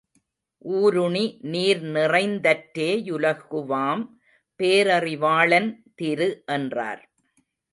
ஊருணி நீர்நிறைந் தற்றே யுலகுவாம் பேரறி வாளன் திரு என்றார்.